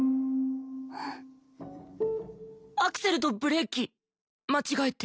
アクセルとブレーキ間違えて。